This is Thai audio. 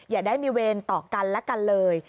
อย่าได้มีเวรต่อกันและกันเลย